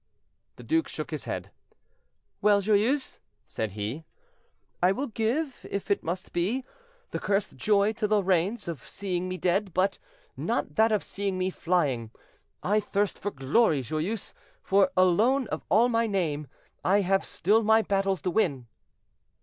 The duke shook his head. "Well, Joyeuse," said he, "I will give, if it must be, the cursed joy to the Lorraines of seeing me dead, but not that of seeing me flying. I thirst for glory, Joyeuse; for alone of all my name, I have still my battles to win."